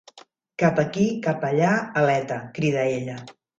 Kappa aquí kappa allà, aleta! —crida ella.